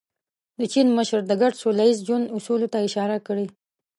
د چین مشر د ګډ سوله ییز ژوند اصولو ته اشاره کړې.